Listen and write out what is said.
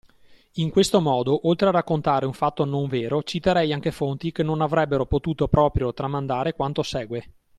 In questo modo, oltre a raccontare un fatto non vero, citerei anche fonti che non avrebbero potuto proprio tramandare quanto segue.